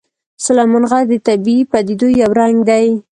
سلیمان غر د طبیعي پدیدو یو رنګ دی.